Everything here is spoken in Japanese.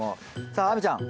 さあ亜美ちゃん